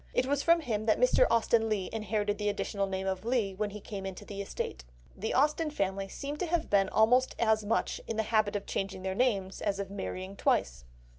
It was from him that Mr. Austen Leigh inherited the additional name of Leigh when he came into the estate. The Austen family seem to have been almost as much in the habit of changing their names as of marrying twice.